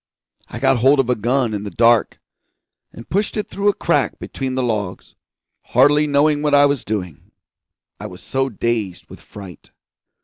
I got hold of a gun in the dark, and pushed it through a crack between the logs, hardly knowing what I was doing, I was so dazed with fright.